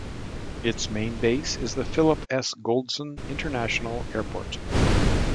Its main base is the Philip S. W. Goldson International Airport.